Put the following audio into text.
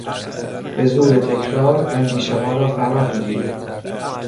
به زور تکرار اندیشهها را فرا میگیریم.